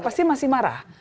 pasti masih marah